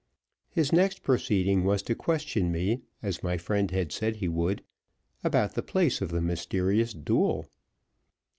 His next proceeding was to question me, as my friend had said he would, about the place of the mysterious duel.